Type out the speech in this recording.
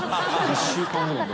１週間ぐらい前。